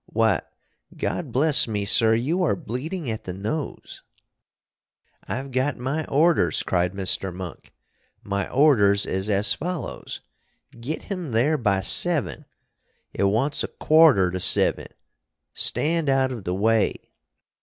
Why, God bless me, sir, you are bleeding at the nose!" "I've got my orders!" cried Mr. Monk. "My orders is as follows: Git him there by seving! It wants a quarter to seving. Stand out of the way!"